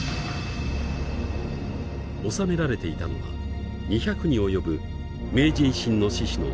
納められていたのは２００に及ぶ明治維新の志士の手紙や記録。